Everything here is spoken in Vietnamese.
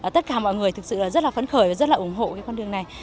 tất cả mọi người thực sự rất là phấn khởi và rất là ủng hộ cái con đường này